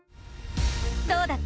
どうだった？